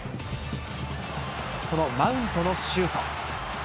マウントのシュート。